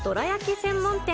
専門店。